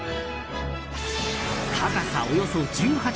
高さおよそ１８ｍ。